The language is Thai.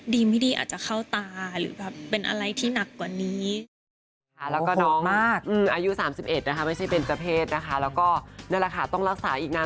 ดีหรือไม่ดีอาจจะเข้าตา